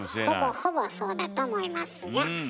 ほぼほぼそうだと思いますが。